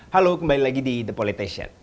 halo kembali lagi di the politician